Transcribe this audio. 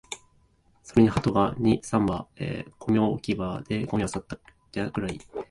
それに鳩が二、三羽、ゴミ置き場でゴミを漁っていたくらい